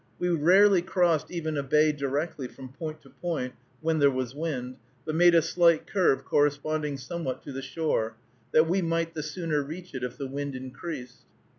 We rarely crossed even a bay directly, from point to point, when there was wind, but made a slight curve corresponding somewhat to the shore, that we might the sooner reach it if the wind increased.